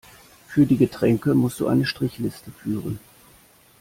Für die Getränke muss du eine Strichliste führen.